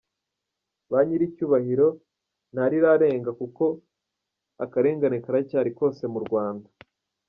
Ba Nyiricyubahiro, ntarirarenga kuko akarengane karacyari kose mu Rwanda.